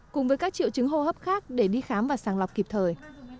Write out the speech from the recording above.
cùng với các triệu chứng hô hấp khác để đi khám và sàng lọc kịp thời